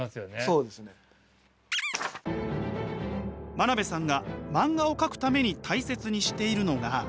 真鍋さんが漫画を描くために大切にしているのが。